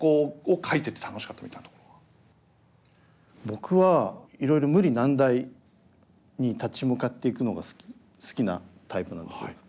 僕はいろいろ無理難題に立ち向かっていくのが好きなタイプなんですね。